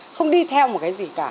không đi theo một cái gì cả